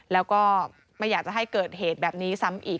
แล้วก็ไม่อยากจะให้เกิดเหตุแบบนี้ซ้ำอีก